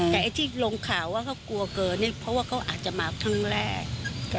แต่ไอ้ที่ลงข่าวว่าเขากลัวเกินเนี่ยเพราะว่าเขาอาจจะมาครั้งแรก